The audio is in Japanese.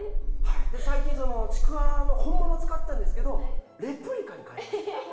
最近そのちくわの本物を使ってたんですけどレプリカに変えました。